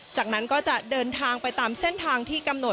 จากนั้นก็จะเดินทางไปตามเส้นทางที่กำหนด